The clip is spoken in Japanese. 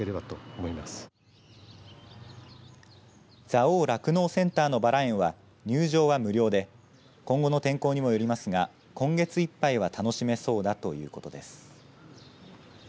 蔵王酪農センターのバラ園は入場は無料で今後の天候にもよりますが今月いっぱいは楽しめそうだということです。